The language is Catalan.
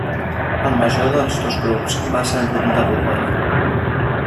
El major dels dos grups va ser el grup de Borgonya.